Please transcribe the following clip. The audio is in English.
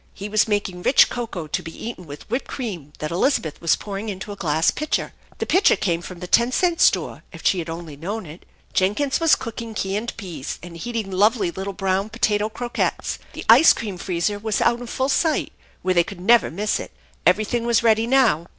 He was making rich cocoa to be eaten with whipped cream that Elizabeth was pouring into a glass pitcher; the pitcher came from the ten cent store if she had only known it. Jenkins was cooking canned peas and heating lovely little brown potato croquettes. The ice cream freezer was out in full sight, where they could never miss it. Every thing was ready now.